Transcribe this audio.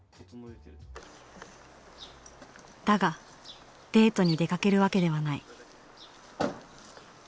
だがデートに出かけるわけではない。